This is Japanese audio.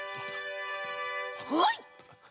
はい！